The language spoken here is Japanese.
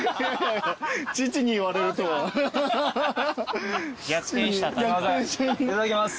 いただきます。